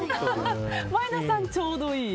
前田さん、ちょうどいい。